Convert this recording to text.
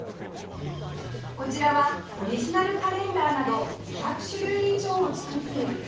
こちらはオリジナルカレンダーなど２００種類以上を作っている会社です